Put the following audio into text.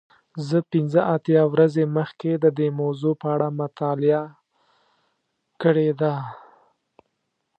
زه پنځه اتیا ورځې مخکې د دې موضوع په اړه مطالعه کړې ده.